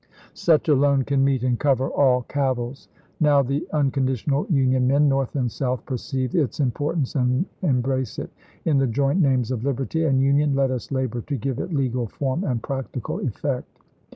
Such alone can meet and cover all cavils. Now the unconditional Union men, North and South, perceive its importance and embrace it. In the joint names of Liberty and Union, let us labor to give it legal form and practical effect.